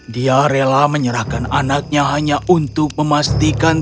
dia rela menyerahkan anaknya hanya untuk memastikan